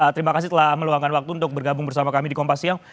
terima kasih telah meluangkan waktu untuk bergabung bersama kami di kompas siang